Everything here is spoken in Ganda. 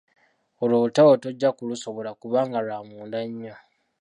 Olwo olutalo tojja kulusobola kubanga lwa munda nnyo.